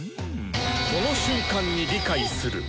その瞬間に理解する。